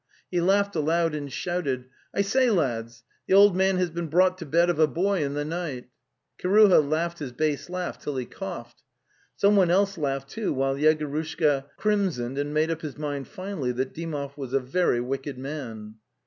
He laughed aloud and shouted: '""T say, lads, the old man has been brought to bed of a boy in the night!" Kiruha laughed his bass laugh till he coughed. Someone else laughed too, while Yegorushka crim soned and made up his mind finally that Dymov was a very wicked man.